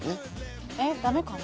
えっダメかな？